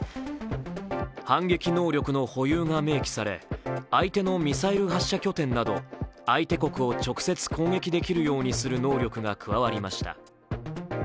反撃能力の保有が明記され相手のミサイル発射拠点など相手国を直接攻撃できるようにする能力が加わりました。